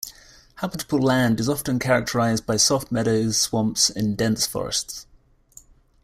Habitable land is often characterized by soft meadows, swamps, and dense forests.